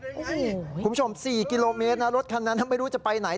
คุณผู้ชม๔กิโลเมตรนะรถคันนั้นไม่รู้จะไปไหน